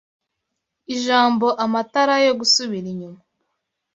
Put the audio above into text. Ijambo amatara yo gusubira inyuma